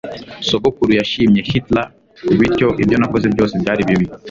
Sogokuru yashimye Hitler bityo ibyo nakoze byose byari bibi